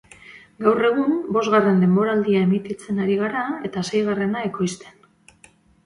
Gaur egun bosgarren denboraldia emititzen ari gara eta seigarrena ekoizten.